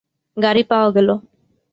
গাড়ি পাওয়া গেল।